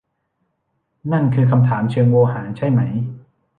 นั่นคือคำถามเชิงโวหารใช่ไหม ?